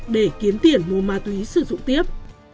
để kiếm tiền mua ma túy sử dụng tiếp